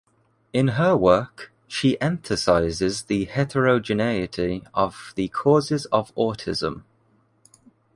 In her work, she emphasizes the heterogeneity of the causes of autism.